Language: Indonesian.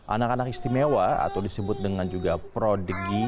anak anak istimewa atau disebut dengan juga prodigi